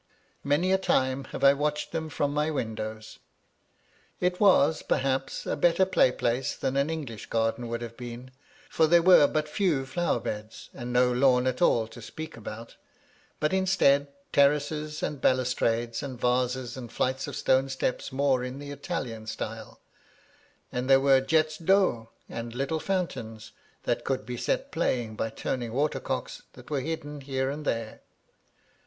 Many a time have I watched them from my windows. It was, perhaps, a better play place than an English garden would have been, for there were but few flower beds, and no lawn at all to speak about; but instead, terraces and balustrades and vases and flights of stone steps more in the Italian style ; and there were jets d'eau, and little fountains that could be set playing by turning water cocks that were hidden here and there.